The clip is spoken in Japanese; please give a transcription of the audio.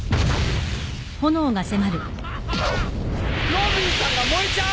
ロビンさんが燃えちゃう！